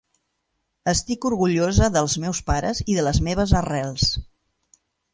Estic orgullós dels meus pares i de les meves arrels".